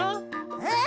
うん！